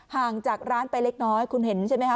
ห่างจากร้านไปเล็กน้อยคุณเห็นใช่ไหมคะ